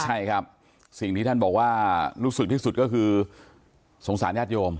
ใช่ครับสิ่งที่ท่านบอกว่ารู้สึกที่สุดก็คือสงสารญาติโยม